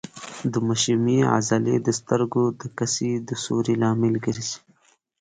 د مشیمیې عضلې د سترګو د کسي د سوري لامل ګرځي.